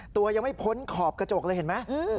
ตัวยังไม่พ้นขอบกระจกเลยเห็นไหม